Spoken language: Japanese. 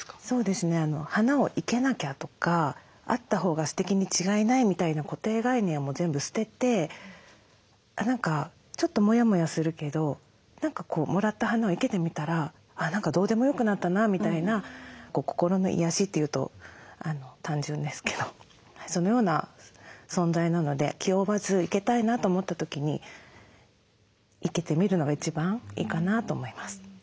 そうですね「花を生けなきゃ」とか「あったほうがすてきに違いない」みたいな固定概念はもう全部捨てて何かちょっとモヤモヤするけど何かもらった花を生けてみたら「あ何かどうでもよくなったな」みたいな心の癒やしというと単純ですけどそのような存在なので気負わず生けたいなと思った時に生けてみるのが一番いいかなと思います。